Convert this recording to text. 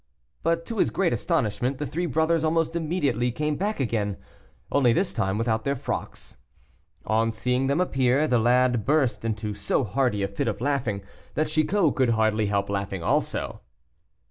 But to his great astonishment, the three brothers almost immediately came back again, only this time without their frocks. On seeing them appear, the lad burst into so hearty a fit of laughing, that Chicot could hardly help laughing also.